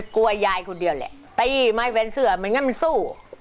กลัวยายคนเดียวแหละป่าอย่าไม่แวนเสื้อเหมือนแกสู้